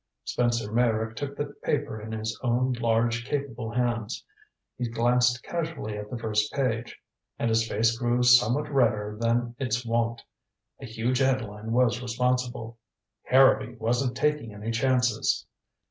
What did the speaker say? Spencer Meyrick took the paper in his own large capable hands. He glanced casually at the first page, and his face grew somewhat redder than its wont. A huge head line was responsible: HARROWBY WASN'T TAKING ANY CHANCES.